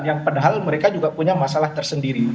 yang padahal mereka juga punya masalah tersendiri